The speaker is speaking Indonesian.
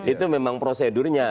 itu memang prosedurnya